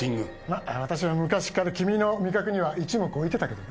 ま私は昔から君の味覚には一目置いてたけどね。